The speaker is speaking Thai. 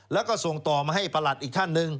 แล้วก็ส่งต่อมาให้ประหลัดอีกท่านหนึ่ง